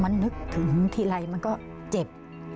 มันนึกถึงทีไรมันก็เจ็บ